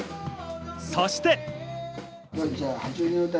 そして。